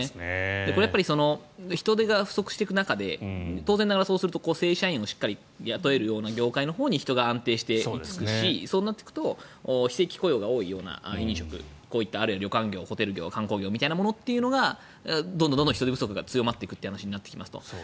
これ、人手が不足していく中で当然ながら、そうすると正社員をしっかり雇えるような業界のほうに人が安定して居着くしそうなっていくと非正規雇用が多いような飲食こういった旅館業、ホテル業観光業がどんどん人手不足が強まっていく話になると。